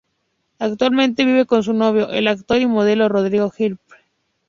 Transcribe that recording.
Actualmente vive con su novio, el actor y modelo Rodrigo Hilbert.